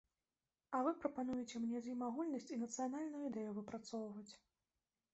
А вы прапануеце мне з ім агульнасць і нацыянальную ідэю выпрацоўваць.